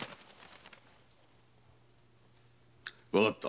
わかった。